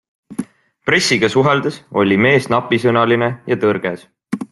Pressiga suheldes oli mees napisõnaline ja tõrges.